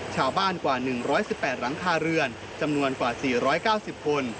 กว่า๑๑๘หลังคาเรือนจำนวนกว่า๔๙๐คน